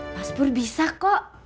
mas pur bisa kok